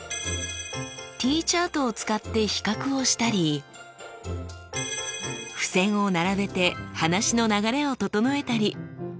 Ｔチャートを使って比較をしたり付せんを並べて話の流れを整えたり。